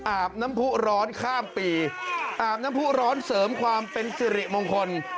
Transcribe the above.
อาบน้ำผู้ร้อนข้ามปีอาบน้ำผู้ร้อนเสริมความเป็นสิริมงคล